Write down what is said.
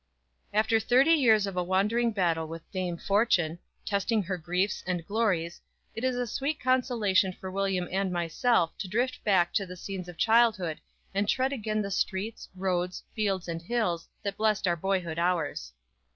_ After thirty years of a wandering battle with Dame Fortune, testing her griefs and glories, it was a sweet consolation for William and myself to drift back to the scenes of childhood and tread again the streets, roads, fields and hills that blessed our boyhood hours.